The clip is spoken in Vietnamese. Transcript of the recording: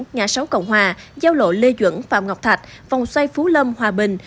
ngã sáu cộng hòa giao lộ lê duẩn phạm ngọc thạch vòng xoay phú lâm hòa bình